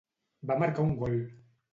Va marcar un gol.